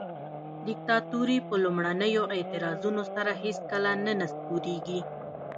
دیکتاتوري په لومړنیو اعتراضونو سره هیڅکله نه نسکوریږي.